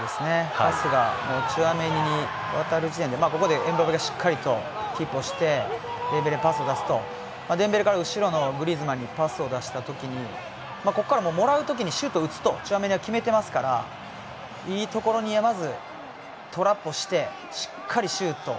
パスがチュアメニに渡る時点でここでエムバペがしっかりとキープをしてデンベレにパスを出すとデンベレから後ろのグリーズマンにパスを出した時にここからもらう時にシュート打つとチュアメニは決めてますからいい所に、まずトラップをしてしっかりシュート。